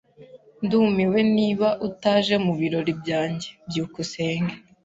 Ndumiwe niba utaje mubirori byanjye. byukusenge